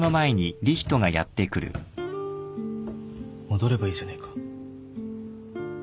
・戻ればいいじゃねえか。